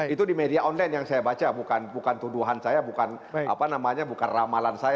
itu di media online yang saya baca bukan tuduhan saya bukan ramalan saya